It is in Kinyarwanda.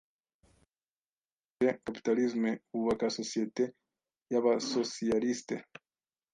Barangije capitalism bubaka societe yabasosiyaliste.